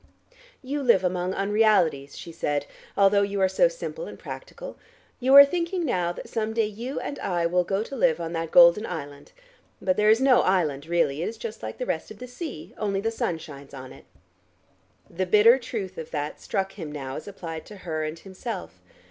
"You live among unrealities," she said, "although you are so simple and practical. You are thinking now that some day you and I will go to live on that golden island. But there is no island really, it is just like the rest of the sea, only the sun shines on it." The bitter truth of that struck him now as applied to her and himself.